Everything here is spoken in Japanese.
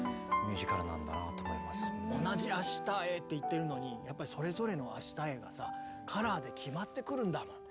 同じ「明日へ」って言ってるのにやっぱりそれぞれの「明日へ」がさカラーで決まってくるんだもん。